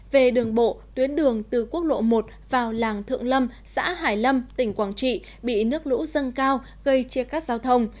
về đường bộ tuyến đường từ quốc lộ một vào làng thượng lâm xã hải lâm tỉnh quảng trị bị nước lũ dâng cao gây chia cắt giao thông